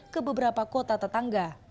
ke beberapa kota tetangga